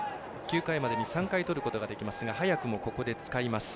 ９回までに３回とることができますが早くもここで使います。